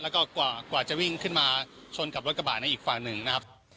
แล้วก็กว่าจะวิ่งขึ้นมาชนกับรถกระบะในอีกฝั่งหนึ่งนะครับ